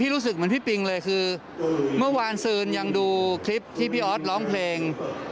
รู้สึกเหมือนพี่ปิงเลยคือเมื่อวานซืนยังดูคลิปที่พี่ออสร้องเพลง